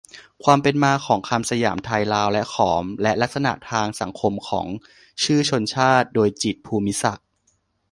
ความเป็นมาของคำสยาม ไทย ลาว และขอม และลักษณะทางสังคมของชื่อชนชาติ. โดย จิตร ภูมิศักดิ์.